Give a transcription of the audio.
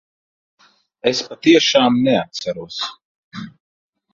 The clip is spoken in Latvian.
Es patiešām neatceros.